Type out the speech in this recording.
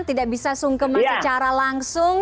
tidak bisa sungkeman secara langsung